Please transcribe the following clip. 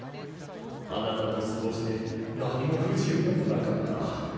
あなたと過ごして何も不自由などなかった。